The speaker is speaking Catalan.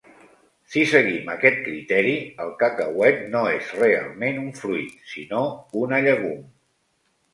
Si seguim aquest criteri, el cacauet no és realment un fruit, sinó una llegum.